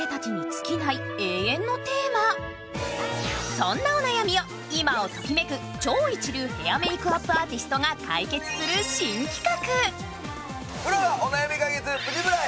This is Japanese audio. そんなお悩みを今をときめく超一流ヘアメークアーティストが解決する新企画。